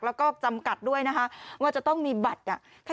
แล้วก็จำกัดด้วยนะคะว่าจะต้องมีบัตร